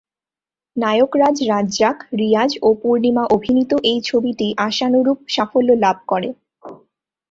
নায়ক রাজ রাজ্জাক, রিয়াজ ও পূর্ণিমা অভিনীত এই ছবিটি আশানুরূপ সাফল্য লাভ করে।